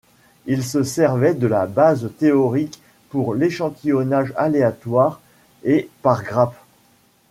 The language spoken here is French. Il se servait de la base théorique pour l’échantillonnage aléatoire et par grappes.